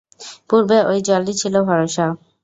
পূর্বে ঐ জলই ছিল ভরসা।